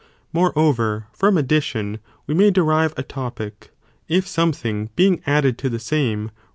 Moreover, from addition (we may ee derive) a topic, if something being added to CHAP, VI.